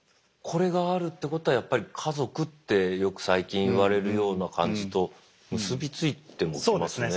これがあるってことはやっぱり家族ってよく最近言われるような感じと結び付いてもきますね。